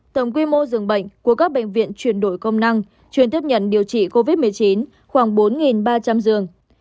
tổng quy mô dường bệnh của các bệnh viện truyền đổi công năng truyền tiếp nhận điều trị covid một mươi chín khoảng bốn ba trăm linh dường